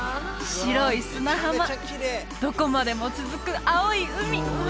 白い砂浜どこまでも続く青い海！